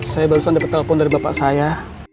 saya baru saja dapat telepon dari bapak saya